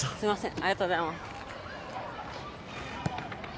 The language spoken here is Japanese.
ありがとうございます